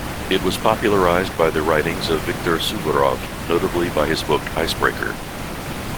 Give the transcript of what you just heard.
It was popularised by the writings of Viktor Suvorov, notably by his book "Icebreaker".